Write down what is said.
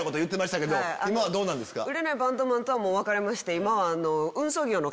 売れないバンドマンとはもう別れまして。